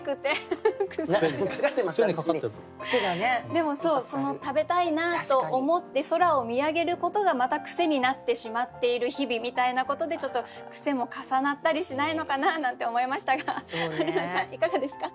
でも食べたいなと思って空を見上げることがまたクセになってしまっている日々みたいなことでちょっとクセも重なったりしないのかななんて思いましたがはるなさんいかがですか？